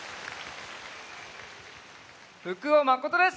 福尾誠です！